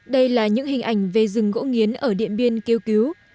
đây là những hình ảnh về rừng gỗ nghiến ở điện biên kêu cứu